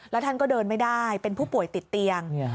แล้วท่านก็เดินไม่ได้เป็นผู้ป่วยติดเตียง